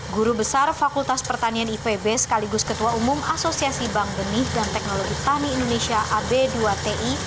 guru besar fakultas pertanian ipb sekaligus ketua umum asosiasi bank benih dan teknologi tani indonesia ab dua ti